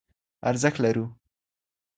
ارزښت لرو.